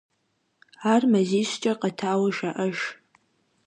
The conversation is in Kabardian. Ар мазищкӏэ къэтауэ жаӏэж.